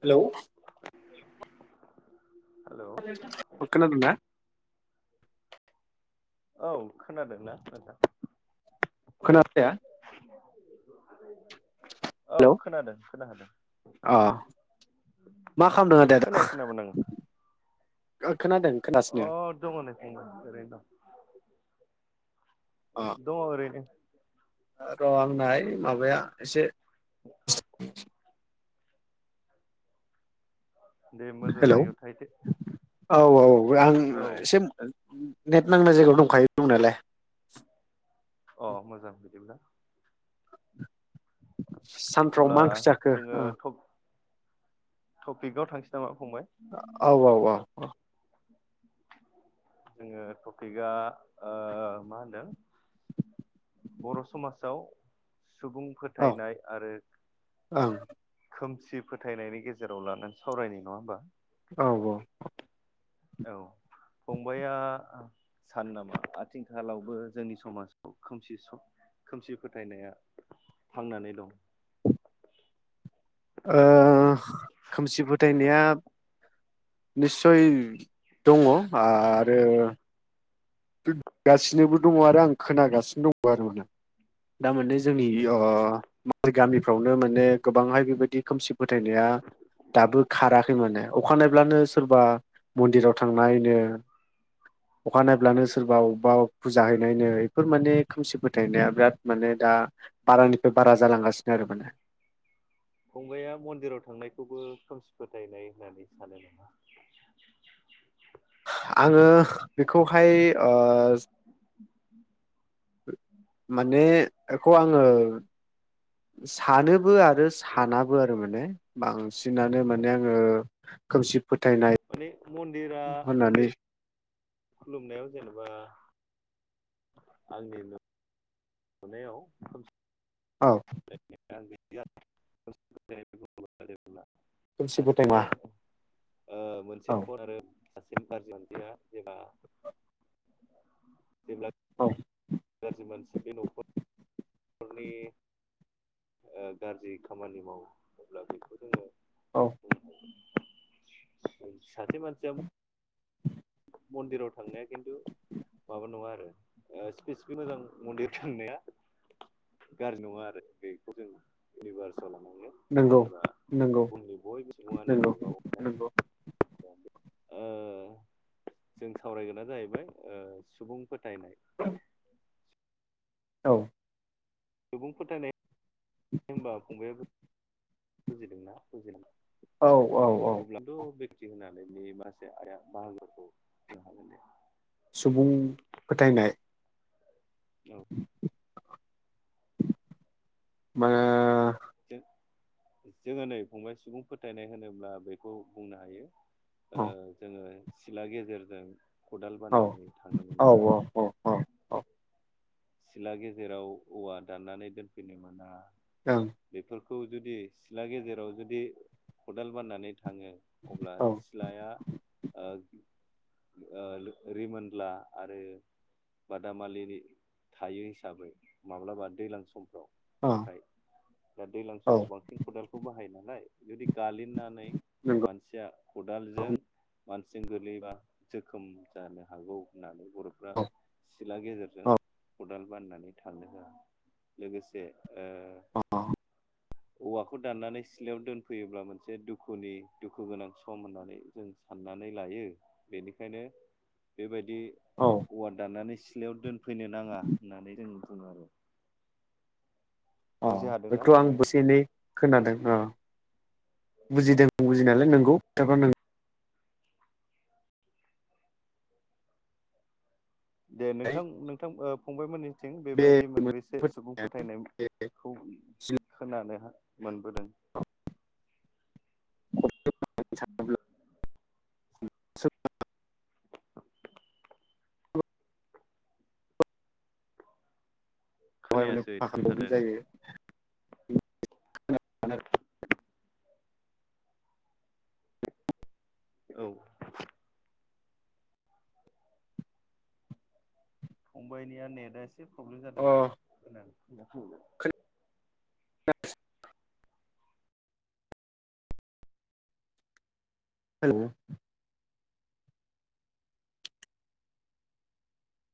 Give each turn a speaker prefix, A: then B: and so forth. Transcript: A: Hello
B: hello औ
A: [unintelligible] अ खोनादोंना?
B: औ खोनादोंना नोंथां?
A: खोनादो
B: [inaudible] औ
A: हेलौ
B: खोनादों खोनादों
A: अ मा खालामदों आदाया
B: खोनायाखैनामा नों?
A: [unintelligible]
B: अ
A: खोनागासिनो
B: दङ नोंथां एरैनो दं।
A: अ
B: दङ एरैनो
A: र' आंना ओय माबाया एसे [unintelligible]
B: दे मोजां
A: हेलौ
B: जायगायाव थाहैदो
A: औ औ आं
B: औ
A: एसे नेट नांनाय जायगायाव दंखायो दंनालाय।
B: अ मोजां बिदिब्ला।
A: सानफ्राव मा
B: अब्ला
A: ओंख्रि जाखो?
B: जोङो
A: ओ
B: टपिकआव थांसै नामा? फंबाय
A: औ औ अ अ
B: जोङो टपिकआ मा ओ होनदों बर' समाजाव सुबुं फोथायनाय आरो
A: ओं
B: खोम सि फोथायनायनि गेजेराव लानानै सावरायनाय नङा होमबा।
A: औ औ
B: औ फंबाया सानो नामा आथिखालावबो जोंनि समाजखौ खोमसि सम खोमसि फोथायनाया थांनानै दं
A: ओ खोमसि फोथायनाया निस्सय दङ आरो गासिनावबो दङ आरो आं खोनागासिनो दङ आरो नोंथां दा माने जोंनि इयो
B: नंगौ
A: [unintelligible] गामि फ्रावनो माने गोबांहाय बेबायदि खोमसिब फोथायनाया दाबो खारा माने अखा नायब्लानो सोरबा मन्दिराव थांनायनो अखानायब्लानो सो सोरबा अबबाव फुजा हैनायनो बेफोर माने खोमसि फोथायनाया बिराद माने दा बारानिफ्राय बारा जालांगासिनो आरो माने
B: फंबाया मन्दिराव थांनायखौबो खोमसि फोथायनाय होननानै सानो नामा
A: आङो बेखौहाय ओ एखौ आङो सानोबो आर रो
B: ओं
A: सानाबो आरो माने बां सिनानो
B: ओं
A: माने आङो खोमसि फोथायनाय
B: माने मन्दिरा
A: होननानै
B: मन्दिर खुलुमनायाव जेनेबा आंनिनो नुनायाव खोमसि
A: औ
B: [unintelligible] [unintelligible]
A: खोमसि फोथायना
B: सासे ओ मोनसे
A: औ
B: पद आरो [unintelligible]
A: औ
B: गाज्रि मानसि बे [unintelligible] ओ गाज्रि खामानि मावो अब्ला बेखौ जोङो
A: औ
B: लांदां सासे मानसिया मन्दिराव थांनाया खिन्थु माबा नङा आरो स्पेसिफिक मोजां मन्दिर थांनाया गाज्रि नङा आरो बि जों इउनिभार्स
A: नंगौ नंगौ
B: बुहुमनि बयबो सुबुङानो
A: नंगौ
B: गावबा गावहाय
A: नंगौ
B: ओ जों सावरायगोना जाहैबाय ओ सुबुं फोथायनाय
A: लांदां औ
B: सुबुं फोथायनाय होनबा फंबायाबो बुजिदोंना बुजिना
A: औ औ औ
B: [unintelligible] होनानै माखासे आरो बाहागोखौ होनो हागोन दे
A: सुबुं फोथायनाय
B: औ
A: मा
B: जोङो नै फंबाय सुबुं फोथायनाय होनोब्ला बेखौ बुंनो हायो ओ
A: औ
B: जोङो सिला गेजेरजों खदाल
A: औ
B: बाननानै थांनो
A: औ
B: मोना‌।
A: औ औ औ औ
B: सिला गेजेराव औवा दाननानै दोनफैनो मोना।
A: ओं
B: खौ जुदि सिथला गेजेराव जुदि खदाल बाननानै थाङो अब्ला
A: ओं
B: सिलाया ओ रिमोनला आरो बादामालिनि थायो हिसाबै माब्लाबा दैज्लां समफ्राव
A: औ
B: फ्राय दा दैज्लां
A: औ
B: समाव बांसिन खदालखौ बाहायना नाय जदि गालिननानै
A: नंगौ
B: मानसिया खदालजों
A: औ
B: मानसिजों गोलैबा जोखोम जानो हागौ होननानै बर'फ्रा सिला गेजेरजों
A: औ
B: खदाल बाननानै थांनो होया लोगोसे ओ
A: अ
B: औवाखौ दाननानै सिथ्लायाव दोनफैयोब्ला मोनसे दुखुनि दुखु गोनां सम होननानै जों साननानै लायो बेनिखायनो बेबायदि दि
A: औ
B: औवा दाननानै सि सिलायाव दोन फैनो नाङा होननानै जों बुङो आरो।
A: अ
B: बुजि हादोंना
A: बेखौ आं
B: फंबाया
A: बो से एनै खोनादों। औ बुजिदों बुजिनायलाय नोंगौ [unintelligible]
B: दे
A: नंनायालाय
B: नोंथां नोंथां ओ फंबायमोननि थिं बेबायदि मोनबेसे
A: बे
B: सुबुं फोथायनायखौ खोनानो हा मोन। होदों
A: [unintelligible]
B: [inaudible]
A: [inaudible] बहाय माने
B: खोनायासै थाबथादों
A: [inaudible] [inaudible]
B: औ। फंबाइनिया नेट एसे प्रब्लेम जादों
A: अ
B: नामा।
A: [inaudible] हेलौ।